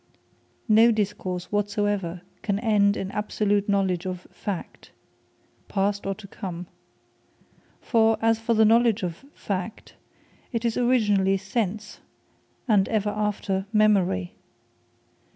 No Discourse whatsoever, can End in absolute knowledge of Fact, past, or to come. For, as for the knowledge of Fact, it is originally, Sense; and ever after, Memory.